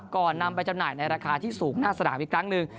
นำไปจำหน่ายในราคาที่สูงหน้าสนามอีกครั้งหนึ่ง